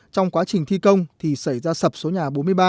trong quá trình thi công thì xảy ra sập số nhà bốn mươi ba